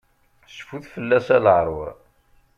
Cfut fell-as a leɛrur!